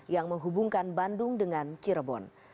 yang menghubungkan bandung dengan cirebon